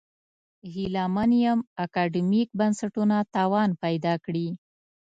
هیله من یم اکاډمیک بنسټونه توان پیدا کړي.